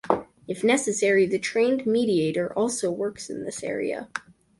If necessary, the trained mediator also works in this area.